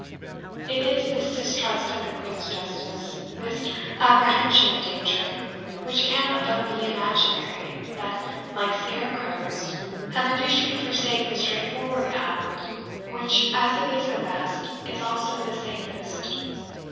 it is this distrust of the Queen's justice, this apprehension of danger, which cannot but be imaginary, that, like scarecrows, have induced you to forsake the straightforward path, which, as it is the best, is also the safest."